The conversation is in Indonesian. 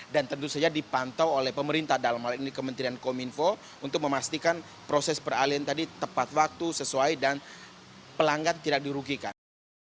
dan tentu saja dipantau oleh pemerintah dalam hal ini kemenkominfo untuk memastikan proses peralihan tadi tepat waktu sesuai dan pelanggan tidak dirugikan